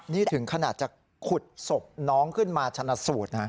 นี่ถึงขนาดจะขุดศพน้องขึ้นมาชนะสูตรนะ